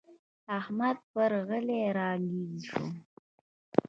احمد پر علي را ږيز شو.